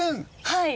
はい。